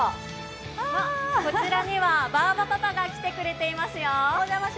こちらにはバーバパパが来てくれていますよ。